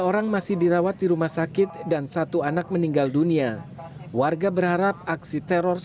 orang masih dirawat di rumah sakit dan satu anak meninggal dunia warga berharap aksi teror